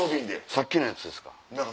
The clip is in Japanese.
さっきのやつですか？